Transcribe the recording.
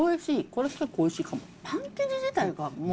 これ、結構おいしいかも。